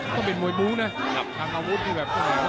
ก็เป็นมวยบุ๊คนะคำอาวุธที่แบบทุก